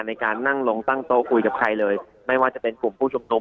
ในการนั่งลงตั้งโต๊ะคุยกับใครเลยไม่ว่าจะเป็นกลุ่มผู้ชุมนุม